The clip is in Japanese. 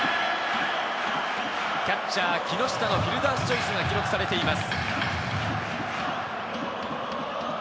キャッチャー・木下のフィルダースチョイスが記録されています。